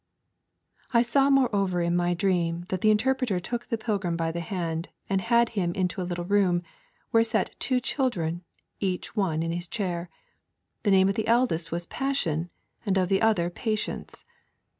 'I saw moreover in my dream that the Interpreter took the pilgrim by the hand, and had him into a little room, where sate two little children, each one in his chair. The name of the eldest was Passion and of the other Patience.